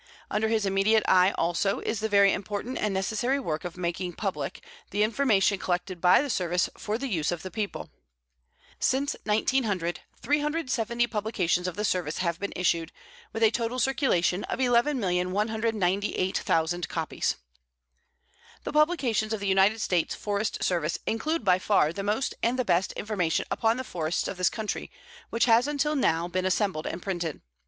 Under his immediate eye also is the very important and necessary work of making public the information collected by the Service for the use of the people. Since 1900, 370 publications of the Service have been issued, with a total circulation of 11,198,000 copies. The publications of the United States Forest Service include by far the most and the best information upon the forests of this country which has until now been assembled and printed.